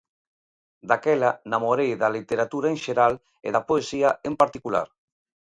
Daquela namorei da literatura en xeral e da poesía en particular.